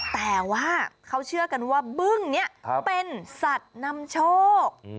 แต่ว่าเขาเชื่อกันว่าบึ้งนี้เป็นสัตว์นำโชค